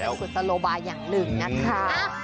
แล้วเป็นสุดสโลบาอย่างหนึ่งนะคะ